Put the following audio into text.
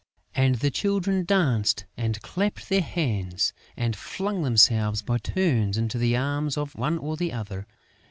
And the Children danced and clapped their hands and flung themselves by turns into the arms of one or the other.